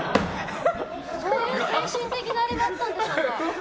そういう精神的なあれがあったんでしょうか？